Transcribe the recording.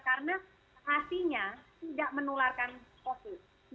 karena hatinya tidak menularkan covid